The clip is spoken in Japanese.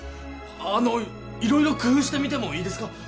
あの色々工夫してみてもいいですか？